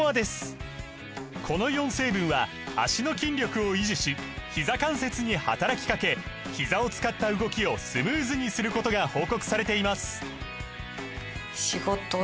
この４成分は脚の筋力を維持しひざ関節に働きかけひざを使った動きをスムーズにすることが報告されています